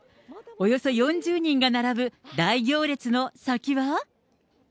およそ４０人が並ぶ大行列の先は？